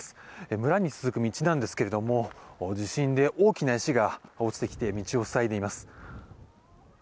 村に続く道なんですが地震で大きな石が落ちてきて道を塞いでいます。